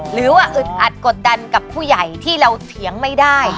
หรือว่าอึดอัดกดดันกับผู้ใหญ่ที่เราเถียงไม่ได้